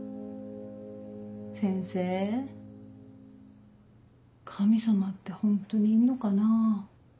先生神様ってホントにいんのかな？